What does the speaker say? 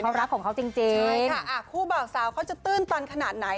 เขารักของเขาจริงจริงใช่ค่ะคู่บ่าวสาวเขาจะตื้นตันขนาดไหน